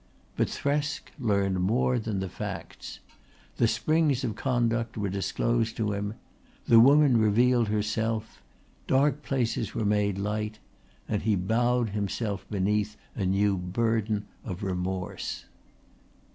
But Thresk learnt more than the facts. The springs of conduct were disclosed to him; the woman revealed herself, dark places were made light; and he bowed himself beneath a new burden of remorse.